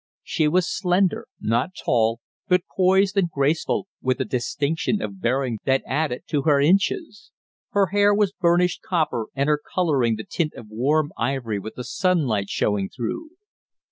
She was slender, not tall, but poised and graceful with a distinction of bearing that added to her inches. Her hair was burnished copper and her coloring the tint of warm ivory with the sunlight showing through.